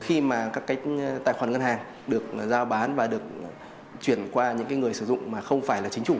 khi mà các cái tài khoản ngân hàng được giao bán và được chuyển qua những người sử dụng mà không phải là chính chủ